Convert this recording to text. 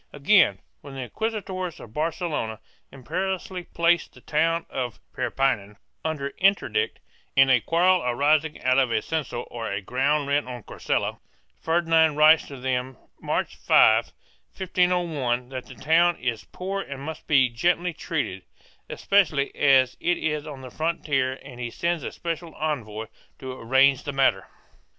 Again, when the inquisitors of Barcelona imperiously placed the town of Perpinan under interdict, in a quarrel arising out of a censal or ground rent on Carcella, Ferdinand writes to them, March 5, 1501, that the town is poor and must be gently treated, especially as it is on the frontier, and he sends a special envoy to arrange the matter.